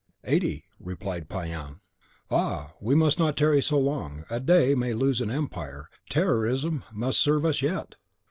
"Eighty," replied Payan. "Ah, we must not tarry so long; a day may lose an empire: terrorism must serve us yet!"